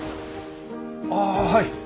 ああはい。